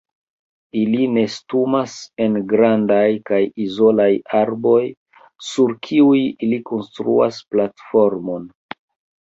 Ili nestumas en grandaj kaj izolaj arboj sur kiuj ili konstruas platformon.